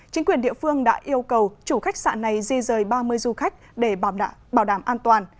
chính quyền địa phương đã yêu cầu chủ khách sạn này di rời ba mươi du khách để bảo đảm an toàn